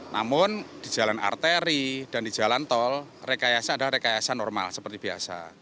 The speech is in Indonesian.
namun di jalan arteri dan di jalan tol rekayasa adalah rekayasa normal seperti biasa